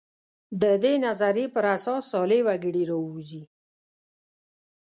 د دې نظریې پر اساس صالح وګړي راووځي.